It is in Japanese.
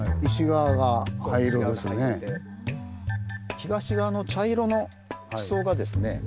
東側の茶色の地層がですね